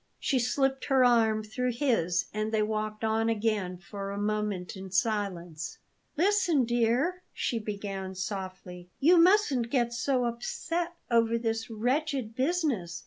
She slipped her arm through his, and they walked on again for a moment in silence. "Listen, dear," she began softly; "you mustn't get so upset over this wretched business.